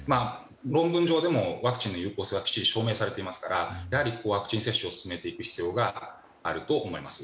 論文上でもワクチンの有効性が証明されていますからここはワクチン接種を進めていく必要があると思います。